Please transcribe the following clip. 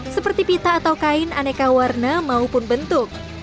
seperti pita atau kain aneka warna maupun bentuk